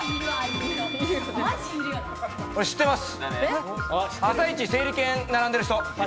知ってます。